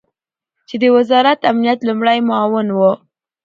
چې د وزارت امنیت لومړی معاون ؤ